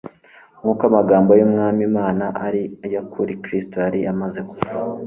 Nk'uko amagambo y'Umwami Imana ari ay'ukuri, Kristo yari amaze kuvuka.